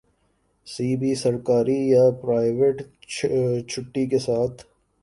سی بھی سرکاری یا پرائیوٹ چھٹی کے ساتھ